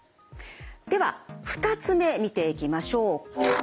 では２つ目見ていきましょう。